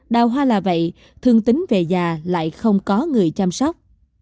đào hoa là vậy thương tính về già lại không có người chăm sóc